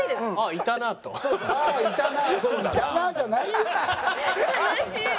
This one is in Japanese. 「いたな」じゃないよ！悲しい！